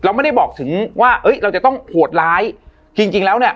ไม่ได้บอกถึงว่าเอ้ยเราจะต้องโหดร้ายจริงจริงแล้วเนี่ย